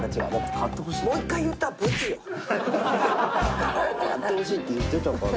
買ってほしいって言ってたから。